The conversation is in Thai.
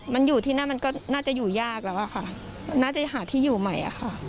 มันอยู่ที่นั่นมันก็น่าจะอยู่ยากแล้วอะค่ะน่าจะหาที่อยู่ใหม่อะค่ะ